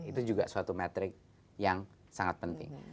itu juga suatu metrik yang sangat penting